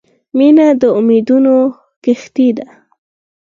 • مینه د امیدونو کښتۍ ده.